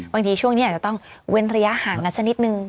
ช่วงนี้อาจจะต้องเว้นระยะห่างกันสักนิดนึง